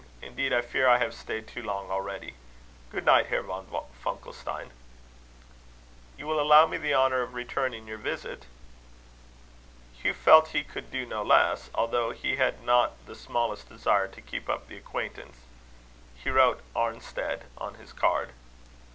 Indeed, I fear I have stayed too long already. Good night, Herr von Funkelstein." "You will allow me the honour of returning your visit?" Hugh felt he could do no less, although he had not the smallest desire to keep up the acquaintance. He wrote Arnstead on his card.